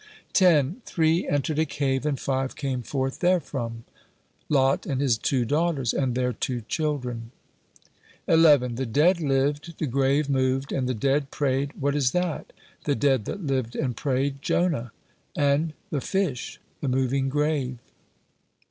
10. "Three entered a cave and five came forth therefrom?" "Lot and his two daughters and their two children." 11. "The dead lived, the grave moved, and the dead prayed: what is that?" "The dead that lived and prayed, Jonah; and the fish, the moving grave."